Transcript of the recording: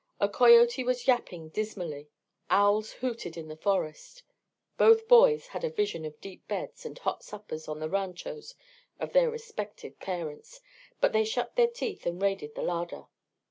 A coyote was yapping dismally, owls hooted in the forest. Both boys had a vision of deep beds and hot suppers on the ranchos of their respective parents, but they shut their teeth and raided the larder.